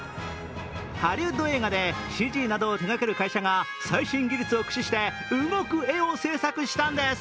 ハリウッド映画でＣＧなどを手がける会社が最新技術を駆使して動く絵を制作したんです。